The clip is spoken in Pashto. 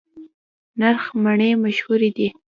نرخ مڼې مشهورې دي؟